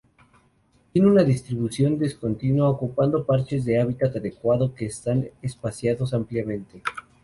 Tiene una distribución discontinua, ocupando parches de hábitat adecuado que están espaciados ampliamente.